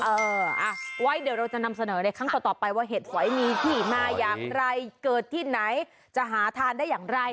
เอออ่ะไว้เดี๋ยวเราจะนำเสนอในครั้งต่อไปว่าเห็ดฝอยมีที่มาอย่างไรเกิดที่ไหนจะหาทานได้อย่างไร